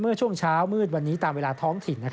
เมื่อช่วงเช้ามืดวันนี้ตามเวลาท้องถิ่น